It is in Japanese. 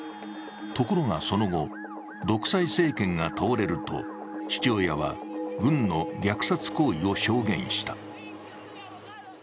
ところがその後、独裁政権が倒れると父親は軍の虐殺行為を証言した。